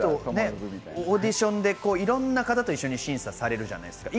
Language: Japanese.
オーディションでいろんな方と一緒に審査されるじゃないですか。